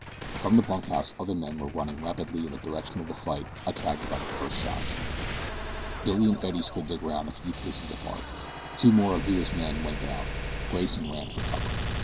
From the bunkhouse other men were running rapidly in the direction of the fight, attracted by the first shots. Billy and Eddie stood their ground, a few paces apart. Two more of Villa's men went down. Grayson ran for cover.